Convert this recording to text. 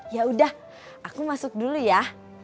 yaudah aku masuk dulu ya